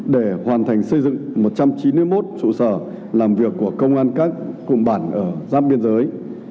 để hoàn thành xây dựng một trăm chín mươi một trụ sở làm việc của công an các cùng bản ở giáp biên giới